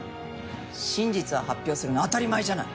真実を発表するの当たり前じゃない。